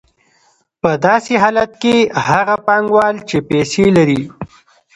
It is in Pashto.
په داسې حالت کې هغه پانګوال چې پیسې لري